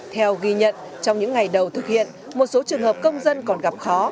theo ghi nhận trong những ngày đầu thực hiện một số trường hợp công dân còn gặp khó